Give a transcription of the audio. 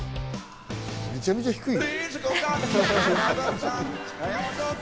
めちゃめちゃ低いな。